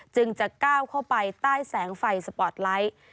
จึงจะก้าวเข้าไปใต้แสงไฟสปอร์ตไลท์